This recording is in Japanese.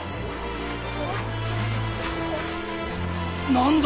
何だ？